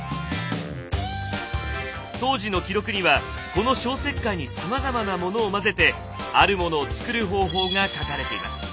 当時の記録にはこの消石灰にさまざまなものを混ぜてあるモノを作る方法が書かれています。